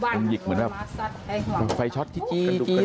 อ๋อมันหยิกเหมือนแบบไฟช็อตที่กรุก